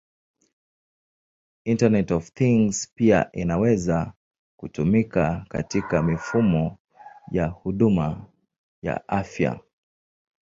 IoT pia inaweza kutumika katika mifumo ya huduma ya afya.